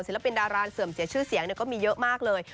ปินดาราเสื่อมเสียชื่อเสียงก็มีเยอะมากเลย